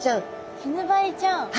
キヌバリちゃん。